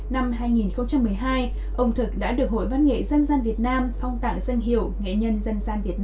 năm hai nghìn một mươi hai ông thực đã được hội văn nghệ dân dân việt nam phong tặng danh hiệu nghệ nhân